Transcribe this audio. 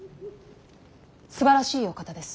すばらしいお方です。